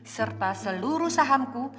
serta seluruh sahamku